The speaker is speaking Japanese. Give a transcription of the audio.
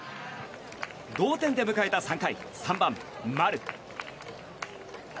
同店で迎えた３回３番、丸。